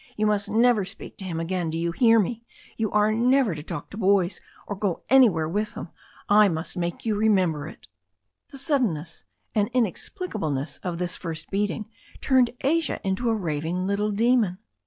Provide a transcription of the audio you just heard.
You must never speak to him again. Do you hear me — ^you are never to talk to boys or go anywhere with them. I must make you remember it '* The suddenness and the inexplicableness of this first beat ing turned Asia into a raving little demon.